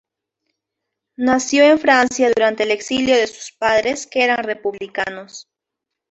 Nació en Francia durante el exilio de sus padres, que eran republicanos.